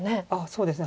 そうですね